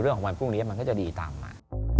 เรื่องของวันพรุ่งนี้มันก็จะดีต่อมา